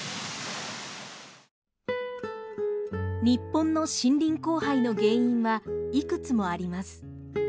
日本の森林荒廃の原因はいくつもあります。